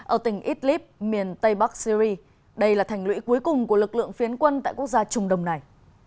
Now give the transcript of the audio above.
ở tỉnh idlib miền tây bắc syri đây là thành lũy cuối cùng của lực lượng phiến quân tại quốc gia trung đông này